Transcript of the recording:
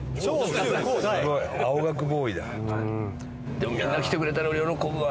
でもみんな来てくれたら喜ぶわ。